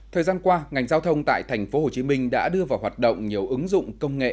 thời gian qua ngành giao thông tại tp hcm đã đưa vào hoạt động nhiều ứng dụng công nghệ